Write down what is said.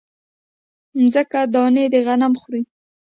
مځکه دانې د غنم خوري